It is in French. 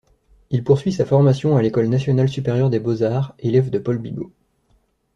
Il poursuit sa formation à L’École Nationale supérieure des beaux-arts élève de Paul Bigot.